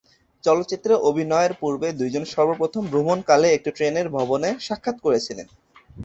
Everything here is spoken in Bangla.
চলচ্চিত্রে অভিনয়ের পূর্বে, দুইজন সর্বপ্রথম ভ্রমণকালে একটি ট্রেনের ভবনে সাক্ষাৎ করেছিলেন।